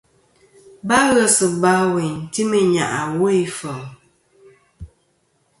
Ba ghes ba wêyn ti meyn nyàʼ awo ifeli.